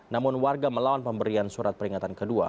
namun warga melawan pemberian surat peringatan kedua